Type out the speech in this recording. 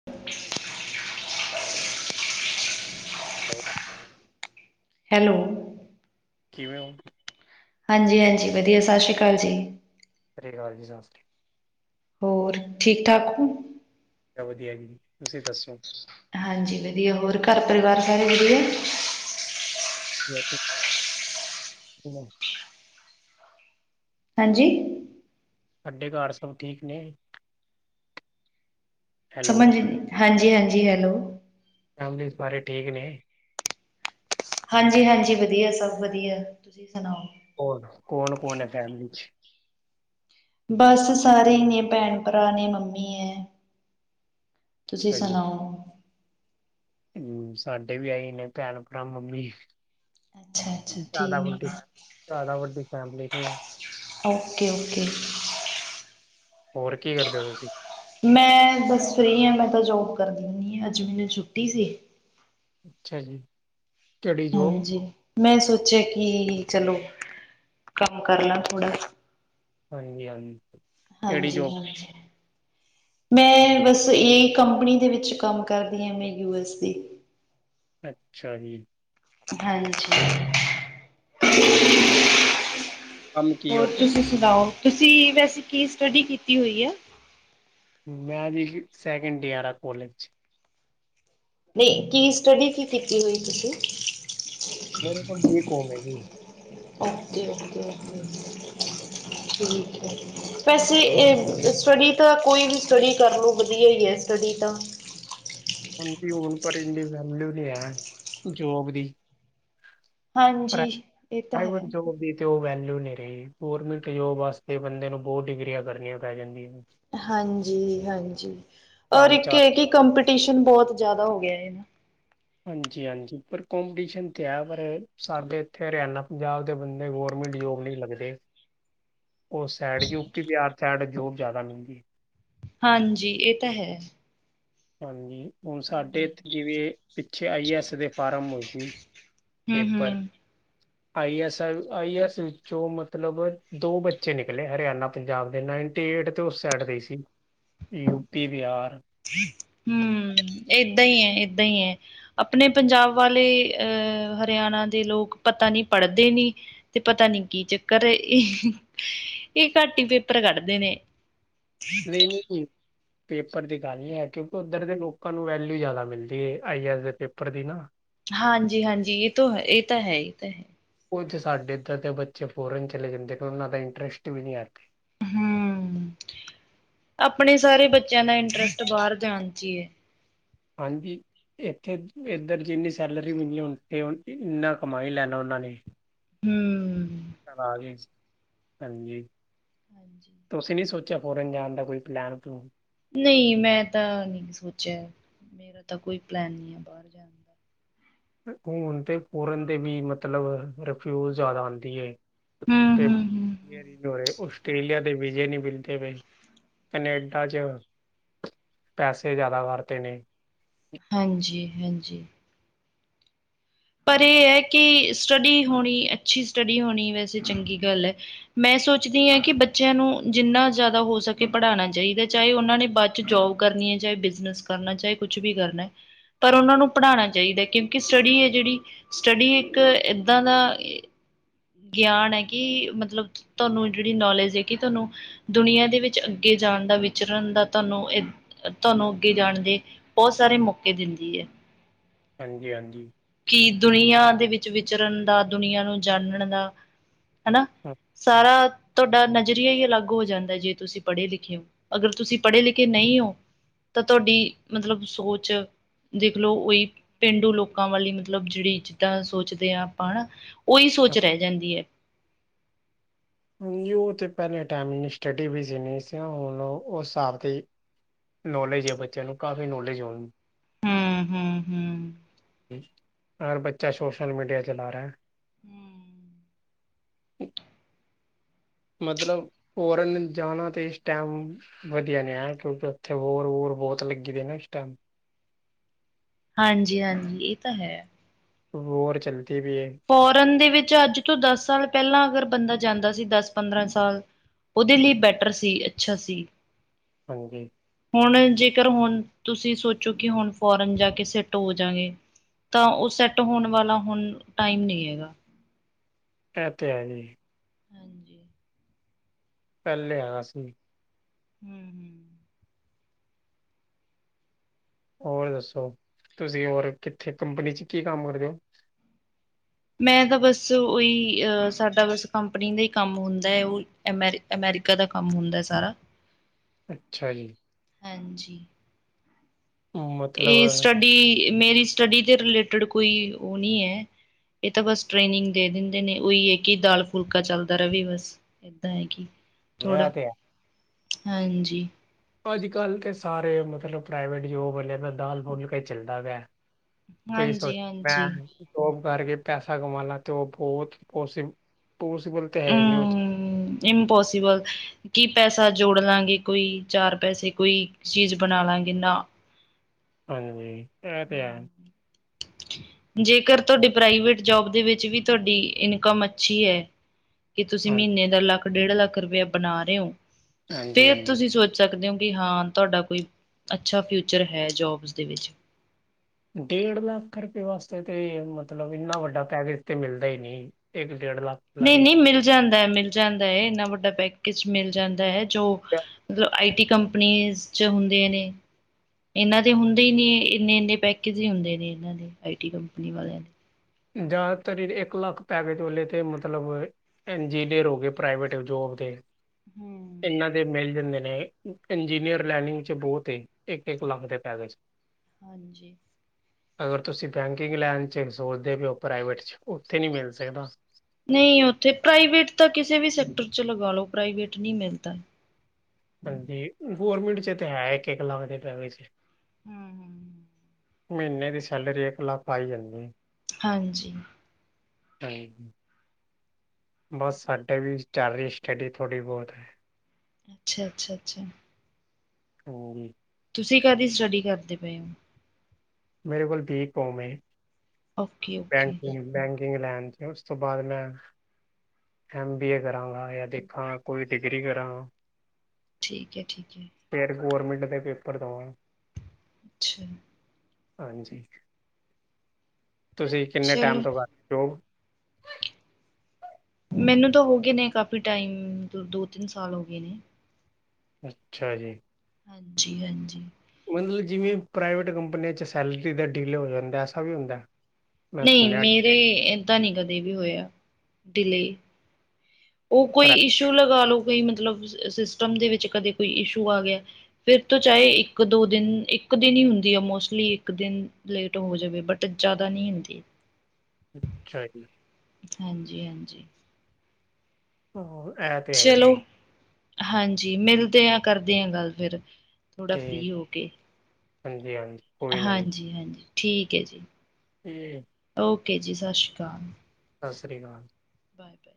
[inaudible] [unintelligible] Hello. ਕਿਵੇਂ ਓ? ਹਾਂਜੀ-ਹਾਂਜੀ ਵਧੀਆ ਸਸ ਸ਼੍ਰੀ ਅਕਾਲ ਜੀ। ਸਸ੍ਰੀ ਅਕਾਲ ਜੀ ਸਸ੍ਰੀ। ਹੋਰ ਠੀਕ-ਠਾਕ ਓ? ਮੈ ਵਧੀਆ ਜੀ ਤੁਸੀਂ ਦੱਸੋ? ਹਾਂਜੀ, ਵਧੀਆ ਹੋਰ ਘਰ ਪਰਿਵਾਰ ਸਾਰੇ ਵਧੀਆ [inaudible] ਹਾਂਜੀ। ਤੁਆਡੇ ਘਰ ਸਭ ਠੀਕ ਨੇ? ਹੈਲੋ, ਸਮਜ ਨੀ ਹਾਂਜੀ-ਹਾਂਜੀ ਹੈਲੋ। ਫੈਮਲੀ 'ਚ ਸਾਰੇ ਠੀਕ ਨੇ। ਹਾਂਜੀ-ਹਾਂਜੀ ਵਧੀਆ ਸਭ ਵਧੀਆ ਤੁਸੀਂ ਸੁਣਾਓ? ਹੋਰ ਕੌਣ-ਕੌਣ ਹੈ ਫੈਮਲੀ ਚ? ਬਸ ਸਾਰੇ ਈ ਨੇ ਭੈਣ-ਭਰਾ ਨੇ ਮੰਮੀ ਐ। ਤੁਸੀਂ ਅੱਛਾ ਜੀ, ਸੁਣਾਓ? ਹੂੰ ਸਾਡੇ ਵੀ ਆਈ ਨੇ ਭੈਣ-ਭਰਾ ਮੰਮੀ ਅੱਛਾ ਅੱਛਾ ਜਿਆਦਾ ਠੀਕ ਵੱਡੀ ਹੈ ਫ਼ੇਮ ਜ਼ਿਆਦਾ ਵੱਡੀ ਫੈਮਿਲੀ ਨੀ ਆ। ਓਕੇ-ਓਕੇ। ਹੋਰ ਕੀ ਕਰਦੇ ਪਏ ਤੁਸੀਂ? ਮੈਂ ਬਸ ਫਰੀ ਐ ਮੈਂ ਤਾਂ ਜੋਬ ਕਰਦੀ ਹੁਣੀ ਆ ਅੱਜ ਮੈਨੂੰ ਛੁੱਟੀ ਸੀ। ਅੱਛਾ ਜੀ। ਕਿਹੜੀ ਜੋਬ? ਹਾਂਜੀ, ਮੈਂ ਸੋਚਿਆ ਕਿ ਚਲੋ ਕੰਮ ਕਰ ਲਾਂ ਥੋੜਾ ਹਾਂਜੀ-ਹਾਂਜੀ। ਹਾਂਜੀ-ਹਾਂਜੀ। ਮੈਂ ਬਸ ਏਈ ਕੰਪਨੀ ਦੇ ਵਿੱਚ ਕੰਮ ਕਰਦੀ ਆ ਮੈਂ ਯੂ ਐਸ ਦੀ ਅੱਛਾ ਜੀ। ਹਾਂਜੀ। [unintelligible] ਕੰਮ ਕੀ ਹੋਰ ਔ ਤੇ? ਤੁਸੀਂ ਸੁਣਾਓ? ਤੁਸੀਂ ਵੈਸੇ ਕੀ ਸਟੱਡੀ ਕੀਤੀ ਹੋਈ ਐ। ਮੈ ਵੀਰ ਜੀ ਸੈਕਿੰਡ ਈਅਰ ਆ ਕੋਲਜ ਚ ਨਈਂ ਕੀ ਸਟੱਡੀ ਕੀ ਕੀਤੀ ਹੋਈ ਤੁਸੀਂ। ਮੇਰੇ ਕੋਲ ਬੀ ਕੌਮ ਐ ਜੀ। ਓਕੇ-ਓਕੇ-ਓਕੇ। [inaudible] ਠੀਕ ਐ। ਵੈਸੇ ਏ ਸਟਡੀ ਤਾਂ ਕੋਈ ਵੀ ਸਟਡੀ ਕਰਲੋ ਵਦੀਆ ਈ ਐ ਸਟੱਡੀ ਤਾਂ। ਹਾਂਜੀ ਹੁਨ ਪਰ ਏਨੀ ਵੈਲਿਊ ਨਈ ਐ ਜੋਬ ਦੀ। ਪ੍ਰਾਈ ਹਾਂਜੀ ਇਹ ਤਾਂ ਪ੍ਰਾਈਵੇਟ ਹੈ ਜੌਬ ਵੀ ਤੇ ਓ ਵੈਲਊ ਨਈ ਰਈ ਗੋਰਮੈਂਟ ਜੋਬ ਵਾਸਤੇ ਬੰਦੇ ਨੂੰ ਬੋਤ ਡਿਗਰੀਆਂ ਕਰਨੀਆਂ ਪੈ ਜਾਂਦੀਆਂ ਨੇ। ਹਾਂਜੀ-ਹਾਂਜੀ ਔਰ ਪੰਜ ਇੱਕ ਚਾਰ ਏ ਕਿ ਕੰਪੀਟੀਸ਼ਨ ਬਹੋਤ ਜ਼ਾਦਾ ਹੋ ਗਿਆ ਐ ਨਾ। ਹਾਂਜੀ-ਹਾਂਜੀ ਪਰ ਕੋਪੀਟੀਸ਼ਨ ਤੇ ਹੈ ਪਰ ਸਾਡੇ ਏਥੇ ਹਰਿਆਨਾ, ਪੰਜਾਬ ਬੰਦੇ ਗੌਰਮੈਂਟ ਜੋਬ ਨੀ ਲੱਗਦੇ। ਓਸ side UP Bihar side job ਜ਼ਾਦਾ ਮਿਲਦੀ। ਹਾਂਜੀ ਏ ਤਾ ਹੈ। ਹਾਂਜੀ ਹੁਨ ਸਾਡੇ ਏਥੇ ਜਿਵੇਂ ਪਿੱਛੇ ਆਈ ਏ ਐੱਸ ਦੇ ਫਾਰਮ ਹੋਏ ਸੀ ਹਮ ਪੇਪਰ- ਹਮ ਆਈ ਐਸ-ਆਈ ਐੱਸ ਵਿੱਚੋਂ ਮਤਲਬ ਦੋ ਬੱਚੇ ਨਿਕਲੇ ਹਰਿਆਨਾ, ਪੰਜਾਬ ਦੇ ਨਏ ਏਟ ਤੋਂ ਉਸ ਸੈਡ ਗਈ ਸੀ ਯੂਪੀ ਬਿਹਾਰ ਹੂੰ ਏਦਾਂ ਈ ਐ-ਏਦਾਂ ਈ ਐ ਆਪਨੇ ਪੰਜਾਬ ਵਾਲੇ ਅਹ ਹਰਿਆਨਾ ਦੇ ਲੋਕ ਪਤਾ ਨੀ ਪੜ੍ਹਦੇ ਨੀ। ਤੇ ਪਤਾ ਨੀ ਕੀ ਚੱਕਰ ਏ ਏਹ ਘੱਟ ਈ ਪੇਪਰ ਕੱਢਦੇ ਨੇ। ਲੇਨੀ ਕਿਯੂ ਪੇਪਰ ਦੀ ਗੱਲ ਨਈ ਐ ਕਿਓਂਕਿ ਓਦਰ ਦੇ ਲੋਕਾਂ ਨੂੰ ਵੈਲਿਊ ਜ਼ਾਦਾ ਮਿਲਦੀ ਏ ਆਈ ਐੱਸ ਦੇ ਪੇਪਰ ਦੀ ਨਾ। ਹਾਂਜੀ-ਹਾਂਜੀ ਯੇ ਤੋ ਹੈ, ਏ ਤਾਂ ਹੈ-ਏ ਤਾਂ ਹੈ। ਕੁਝ ਸਾਡੇ ਇੱਦਰ ਦੇ ਬੱਚੇ ਫੋਰਨ ਚਲੇ ਜਾਂਦੇ ਨੇ ਓਨਾਂ ਦਾ ਇੰਟਰਸਟ ਵੀ ਨਈ ਐ। ਹੂੰ, ਆਪਨੇ ਸਾਰੇ ਬੱਚਿਆਂ ਦਾ ਇੰਟਰਸਟ ਬਾਰ ਜਾਨ ਚ ਈ ਐ। ਹਾਂਜੀ। ਏਥੇ ਇੱਦਰ ਜਿੰਨੀ ਸੈਲਰੀ ਮਿਲੀ ਐ ਹੁਨ ਤੇ ਇੰਨਾ ਕਮਾ ਈ ਲੈਨਾ ਓਨਾਂ ਨੇ। ਹੂੰ [unintelligible] ਹਾਂਜੀ ਜੀ ਤੁਸੀਂ ਵੀ ਸੋਚੇਆ ਫੋਰਨ ਜਾਨ ਦਾ ਕੋਈ ਪਲੈਨ ਪਲੂਨ। ਨਈ ਮੈਂ ਤਾਂ ਨਈ ਸੋਚਿਆ, ਮੇਰਾ ਤਾਂ ਕੋਈ ਪਲੈਨ ਨਈ ਐ ਬਾਰ ਜਾਨ ਹੁਨ ਤੇ ਫੋਰਨ ਦੇ ਵੀ ਮਤਲਬ ਡੋ ਫਿਊਜ਼ ਜ਼ਾਦਾ ਆਂਦੀ ਏ, ਤੇ ਹੂੰ-ਹੂੰ, ਹੂੰ, [unintelligible] ਓਸਟ੍ਰੇਲੀਆ ਦੇ ਵੀਜੇ ਨੀ ਮਿਲਦੇ ਪਏ। ਕਨੇਡਾ ਚ ਪੈਸੇ ਜ਼ਾਦਾ ਵਰਤੇ ਨੇ। ਹਾਂਜੀ-ਹਾਂਜੀ। ਪਰ ਏ ਐ ਕਿ ਸਟੱਡੀ ਹੋਨੀ ਅੱਛੀ ਸਟੱਡੀ ਹੋਨੀ ਵੈਸੇ ਚੰਗੀ ਗੱਲ ਐ। ਮੈਂ ਸੋਚਦੀ ਆਂ ਕਿ ਬੱਚਿਆਂ ਨੂੰ ਜਿੰਨਾ ਜ਼ਾਦਾ ਹੋ ਸਕੇ ਪੜਾਣਾ ਚਾਈਦਾ ਚਾਏ ਓਨਾਂ ਨੇ ਜੋਬ ਕਰਨੀ ਐ ਚਾਏ ਬਿਜ਼ਨਸ ਕਰਨਾ ਚਾਏ ਕੁਛ ਵੀ ਕਰਨੈ। ਪਰ ਓਨਾਂ ਨੂੰ ਪੜਾਣਾ ਚਾਈਦਾ ਕਿਓਂਕਿ ਸਟੱਡੀ ਐ ਜੇੜੀ ਸਟੱਡੀ ਇੱਕ ਏਦਾਂ ਦਾ ਗਿਆਨ ਐ ਕਿ ਮਤਲਬ ਤਾਨੂੰ ਜੇੜੀ ਨੌਲੇਜ ਐ ਕਿ ਤਾਨੂੰ ਦੁਨੀਆਂ ਦੇ ਵਿੱਚ ਅੱਗੇ ਜਾਨ ਦਾ ਵਿਚਰਨ ਦਾ ਤਾਨੂੰ ਏ ਤਾਨੂੰ ਅੱਗੇ ਜਾਨ ਦੇ ਬਹੁ ਸਾਰੇ ਮੌਕੇ ਦਿੰਦੀ ਐ। ਹਾਂਜੀ ਹਾਂਜੀ। ਕਿ ਦੁਨੀਆਂ ਦੇ ਵਿੱਚ ਵਿਚਰਨ ਦਾ ਦੁਨੀਆਂ ਨੂੰ ਜਾਾਨਨ ਦਾ। ਹਨਾ ਸਾਰਾ। ਤੁਹਾਡਾ ਨਜ਼ਰੀਆ ਹੀ ਅਲੱਗ ਹੋ ਜਾਂਦਾ ਜੇ ਤੁਸੀਂ ਪੜ੍ਹੇ ਲਿਖੇ ਹੋ ਅਗਰ ਤੁਸੀਂ ਪੜ੍ਹੇ ਲਿਖੇ ਨਹੀਂ ਹੋ। ਤਾਂ ਤੁਹਾਡੀ ਮਤਲਬ ਸੋਚ ਦੇਖ ਲਓ ਉਹੀ ਪੇਂਡੂ ਲੋਕ। ਲੋਕਾਂ ਵਾਲੀ ਮਤਲਬ ਜਿਹੜੀ ਜਿੱਦਾਂ ਸੋਚਦੇ ਆਾਂ ਆਪਾਂ ਹਨਾ ਉਹੀ ਸੋਚ ਰਹਿ ਜਾਂਦੀ ਹੈ। ਯ ਤੇ ਪਹਿਲੇ ਟਾਈਮ ਸਟੱਡੀ ਵੀ ਸੀ ਨਹੀਂ ਸੀ ਹੁਣ ਉਸ ਹਿਸਾਬ ਦੀ। ਨੌਲੇਜ ਹੈ ਬੱਚਿਆਂ ਨੂੰ ਕਾਫੀ ਨੌਲੇਜ। ਹਮ ਹਮ ਹਮ। ਹਰ ਬੱਚਾ ਸੋਸ਼ਲ ਮੀਡੀਆ ਚਲਾ ਰਿਹਾ ਹੈ। ਹਮ। ਮਤਲਬ ਫੋਰਨ ਜਾਣਾ ਤੇ ਇਸ ਟਾਈਮ। ਵਧੀਆ ਨੇ ਹੈ ਕਿਉਂਕਿ ਉੱਥੇ ਹੋਰ ਹੋਰ ਬਹੁਤ ਲੱਗੀ ਦੇ ਨਾ ਉਸ ਟਾਈਮ। ਹਾਂਜੀ ਹਾਂਜੀ ਇਹ ਤਾਂ ਹੈ। ਰੋਡ ਚੱਲਦੀ ਵੀ ਹੈ। ਫੋਰਨ ਦੇ ਵਿੱਚ ਅੱਜ ਤੋਂ ਦਸ ਸਾਲ ਪਹਿਲਾਂ ਅਗਰ ਬੰਦਾ ਜਾਂਦਾ ਸੀ ਦਸ ਪੰਦਰਾਂ ਸਾਲ। ਉਹਦੇ ਲਈ ਬੈਟਰ ਸੀ ਅੱਛਾ ਸੀ। ਹਾਂਜੀ। ਹੁਣ ਜੇਕਰ ਹੁਣ ਤੁਸੀਂ ਸੋਚੋ ਕਿ ਹੁਣ ਫੋਰਨ ਜਾ ਕੇ ਸਿੱਟ ਹੋ ਜਾਗੇ। ਤਾਂ ਉਹ ਸੈਟ ਹੋਣ ਵਾਲਾ ਹੁਣ ਟਾਈਮ ਨਹੀਂ ਹੈਗਾ। ਇ ਤੇ ਹੈ ਜੀ। ਹਾਂਜੀ। ਪਹਿਲਿਆਸੀਂ। ਹਮ ਹਮ। ਹੋਰ ਦੱਸੋ ਤੁਸੀਂ ਹੋਰ ਕਿੱਥੇ ਕੰਪਨੀ 'ਚ ਕੀ ਕੰਮ ਕਰਦੇ ਹੋ। ਮੈਂ ਤਾਂ ਬਸ ਉਹੀ ਸਾਡਾ ਬਸ ਕੰਪਨੀ ਦਾ ਹੀ ਕੰਮ ਹੁੰਦਾ ਹੈ ਉਹ। ਅਮਰੀ ਅਮੈਰੀਕਾ ਦਾ ਕੰਮ ਹੁੰਦਾ ਸਾਰਾ। ਅੱਛਾ ਜੀ। ਹਾਂਜੀ। ਮਤਲਬ ਇਹ ਸਟੱਡੀ ਮੇਰੀ ਸਟੱਡੀ ਦੇ ਰਿਲੇਟਿਡ ਕੋਈ ਉਹ ਨਹੀਂ ਹੈ। ਇਹ ਤਾਂ ਬਸ ਟ੍ਰੇਨਿੰਗ ਦੇ ਦਿੰਦੇ ਨੇ ਉਹੀ ਹੈ ਕਿ ਦਾਲ ਫੁਲਕਾ ਚੱਲਦਾ ਰਹੇ ਬਸ। ਏਦਾਂ ਹੈ ਕਿ ਇਹ ਥੋੜ੍ਹਾ ਤੇ ਹਾਂਜੀ। ਅੱਜ ਕੱਲ੍ਹ ਤਾਂ ਸਾਰੇ ਮਤਲਬ ਪ੍ਰਾਈਵੇਟ ਜੋਬ ਵਾਲਿਆਂ ਦਾ ਦਾਲ ਫੁਲ ਕੇ ਚੱਲਦਾ ਗ। ਕੋਈ ਸੋਚ ਮੈਂ। ਹਾਂਜੀ-ਹਾਂਜੀ-ਹਾਂਜੀ। ਜੋਬ ਕਰਕੇ ਪੈਸਾ ਕਮਾ ਲਣਾ ਤਾਂ ਉਹ ਬਹੁਤ ਪੋਸੀ ਪੋਸੀਬਲ ਤਾਂ ਹੈ ਹੀ ਨਹੀਂ ਉਹ ਚ। ਹਮ ਇਮਪੋਸੀਬਲ। ਕੀ ਪੈਸਾ ਜੋੜ ਲਾਂਗੇ ਕੋਈ ਚਾਰ ਪੈਸੇ ਕੋਈ ਚੀਜ਼ ਬਣਾ ਲਾਂਗੇ ਨਾ। ਹਾਂਜੀ ਇਹ ਤੇ ਹੈ। ਜੇਕਰ ਤੁਹਾਡੀ ਪ੍ਰਾਈਵੇਟ ਜੋਬ ਦੇ ਵਿੱਚ ਵੀ ਤੁਹਾਡੀ ਇਨਕਮ ਅੱਛੀ ਹੈ। ਕਿ ਤੁਸੀਂ ਹਾਂ ਮਹੀਨੇ ਦਾ ਲੱਖ ਡੇਢ ਲੱਖ ਰੁਪਇਆ ਬਣਾ ਰਹੇ ਹੋ ਹਾਂਜੀ ਫੇਰ ਹਾਂਜੀ। ਤੁਸੀਂ ਸੋਚ। ਪੁ ਸਕਦੇ ਹੋ ਕਿ ਹਾਂ ਤੁਹਾਡਾ ਕੋਈ ਅੱਛਾ ਫਿਊਚਰ ਹੈ ਜੋਬਸ ਦੇ ਵਿੱਚ। ਡੇਢ ਲੱਖ ਰੁਪਏ ਵਾਸਤੇ ਤੇ ਮਤਲਬ ਇੰਨਾ ਵੱਡਾ ਪੈਕੇਜ ਤੇ ਮਿਲਦਾ ਹੀ ਨਹੀਂ। ਇੱਕ ਡੇਢ ਲੱਖ। ਵਾਲਾ ਨਹੀਂ ਤੇ ਨਹੀਂ ਮਿਲ ਜਾਂਦਾ ਮਿਲ ਜਾਂਦਾ ਹੈ ਇੰਨਾ ਵੱਡਾ ਪੈਕੇਜ ਮਿਲ ਜਾਂਦਾ ਹੈ। ਜੋ ਮਤਲਬ ਆਈ ਟੀ ਕੰਪਨੀ ਚ ਹੁੰਦੇ ਨੇ। ਇਹਨਾਂ ਦੇ ਹੁੰਦੇ ਹੀ ਨੇ ਇੰਨੇ ਇੰਨੇ ਪੈਕੇਜ ਹੀ ਹੁੰਦੇ ਨੇ ਇਹਨਾਂ ਦੇ ਆਈ ਟੀ ਕੰਪਨੀ ਵਾਲਿਆਂ ਦੇ। ਜਿਆਦਾਤਰ ਇੱਕ ਲੱਖ ਪੈਕੇਜ ਵਾਲੇ ਤੇ ਮਤਲਬ ਇੰਜੀਨੀਅਰ ਹੋ ਗਏ ਪ੍ਰਾਈਵੇਟ ਜੋਬ ਦੇ। ਹੂੰ। ਇਹਨਾਂ ਦੇ ਮਿਲ ਜਾਂਦੇ ਨੇ ਇੰਜੀਨੀਅਰ ਲੈਨਿੰਗ ਚ ਬਹੁਤ ਐ। ਇੱਕ ਇੱਕ ਲੱਖ ਦੇ ਪੈ [unintelligible] ਹਾਂਜੀ। ਅਗਰ ਤੁਸੀਂ ਬੈਂਕਿੰਗ ਲਾਈਨ 'ਚ ਸੋਚਦੇ ਪਏ ਹੋ ਪ੍ਰਾਈਵੇਟ 'ਚ ਉੱਥੇ ਨਹੀਂ ਮਿਲ ਸਕਦਾ। ਨਹੀਂ ਉੱਥੇ ਪ੍ਰਾਈਵੇਟ ਤਾਂ ਕਿਸੇ ਵੀ ਸੈਕਟਰ ਚ ਲਗਾ ਲੋ ਪ੍ਰਾਈਵੇਟ ਨੀ ਮਿਲਦਾ। ਹਾਂਜੀ ਗੌਰਰਮੈਂਟ ਚ ਤਾਂ ਹੈ ਇੱਕ ਇੱਕ ਲੱਖ ਦੇ ਪ੍ਰਾਈਵੇ ਚ ਹੂੰ ਹੂੰ। ਮਹੀਨੇ ਦੀ ਸੈਲਰੀ ਇੱਕ ਲੱਖ ਆਈ ਜਾਂਦੀ ਐ। ਹਾਂਜੀ। ਹਾਂਜੀ। ਬਸ ਸਾਡੇ ਵੀ ਚੱਲ ਰਹੀ ਸਟੱਡੀ ਥੋੜ੍ਹੀ ਬਹੁਤ। ਅੱਛਾ ਅੱਛਾ ਅੱਛਾ। ਹਾਂਜੀ। ਤੁਸੀਂ ਕਾਹਦੀ ਸਟੱਡੀ ਕਰਦੇ ਪਏ ਓ। ਮੇਰੇ ਕੋਲ ਬੀਕੌਮ ਐ ਓਕੇ-ਓਕੇ, ਬੈਂਕਗ ਬੈਂਕਿੰਗ ਲਾਈਨ। ਉਸ ਤੋਂ ਬਾਅਦ ਮੈਂ ਐਮ ਬੀ ਏ ਕਰਾਂਗਾ ਜਾਂ ਦੇਖਾਂ ਕੋਈ ਡਿਗਰੀ ਕਰਾਂਗਾ। ਠੀਕ ਆ ਠੀਕ ਆ। ਫਿਰ ਗੌਰਰਮੈਂਟ ਦੇ ਪੇਪਰ ਦੇਵਾਂਗੇ। ਅੱਛਾ। ਹਾਂਜੀ ਤੁਸੀਂ ਕਿੰਨੇ ਟਾਈਮ ਚਲੋ। ਤੋਂ ਕਰ ਰਹੇ ਓ। ਮੈਨੂੰ ਤਾਂ ਹੋ ਗਏ ਨੇ ਕਾਫੀ ਟਾਈਮ ਦੋ ਤਿੰਨ ਸਾਲ ਹੋ ਗਏ ਨੇ। ਅੱਛਾ ਜੀ। ਹਾਂਜੀ ਹਾਂਜੀ। ਮਤਲਬ ਜਿਵੇਂ ਪ੍ਰਾਈਵੇਟ ਕੰਪਨੀਆਂ ਚ' ਸੈਲਰੀ ਦਾ ਡੀਲੇ ਹੋ ਜਾਂਦਾ ਐਸਾ ਵੀ ਹੁੰਦਾ। ਮੈਂ ਨਹੀਂ ਸੁਣਿਆ ਮੇਰੇ ਏਦਾਂ ਨਹੀਂ ਕਦੇ ਵੀ ਹੋਇਆ ਡੀਲੇਅ ਉਹ ਕੋਈ ਇਸ਼ੂ ਲਗਾ ਲਓ ਕੋਈ ਮਤਲਬ ਸਿਸਟਮ ਦੇ ਵਿੱਚ ਕਦੇ ਕੋਈ ਇਸ਼ੂ ਆ ਗਿਆ। ਫਿਰ ਤੋਂ ਚਾਹੇ ਇੱਕ ਦੋ ਦਿਨ ਇੱਕ ਦਿਨ ਹੀ ਹੁੰਦੀ ਆ ਮੋਸਟਲੀ ਇੱਕ ਦਿਨ। ਲੇਟ ਹੋ ਜਾਵੇ ਬਟ ਜ਼ਿਆਦਾ ਨੀ ਹੁੰਦੀ। ਅੱਛਾ ਜੀ। ਹਾਂਜੀ, ਹਾਂਜੀ। ਹੂੰ ਇਹ ਤੇ ਹੈਈ ਚਲੋ ਐ। ਹਾਂਜੀ, ਮਿਲਦੇ ਆ ਕਰਦੇ ਆ ਗੱਲ ਫਿਰ ਥੋੜਾ ਤੇ ਫ੍ਰਰੀ ਹੋ ਕੇ ਹਾਂਜੀ, ਹਾਂਜੀ। ਕੋਈ ਨਾ ਜੀ ਹਾਂਜੀ ਹਾਂਜੀ, ਠੀਕ ਐ ਜੀ। [unintelligible] ਓਕੇ ਜੀ ਸਤਿ ਸ਼੍ਰੀ ਅਕਾਲ। ਸਤਿ ਸ਼੍ਰੀ ਅਕਾਲ। Bye, bye.